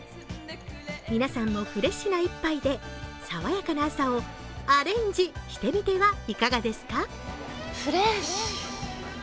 皆さんもフレッシュな一杯で爽やかな朝をアレンジしてみてはいかがですか？